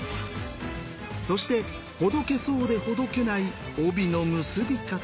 そしてほどけそうでほどけない帯の結び方。